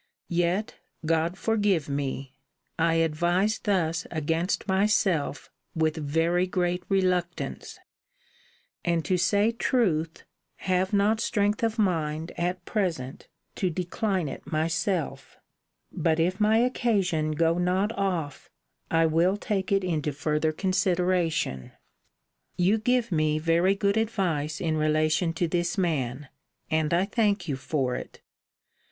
Yet, God forgive me! I advise thus against myself with very great reluctance: and, to say truth, have not strength of mind, at present, to decline it myself. But, if my occasion go not off, I will take it into further consideration. You give me very good advice in relation to this man; and I thank you for it.